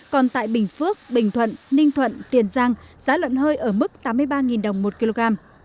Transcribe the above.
còn tại bình phước bình thuận ninh thuận tiền giang giá lợn hơi ở mức tám mươi ba đồng một kg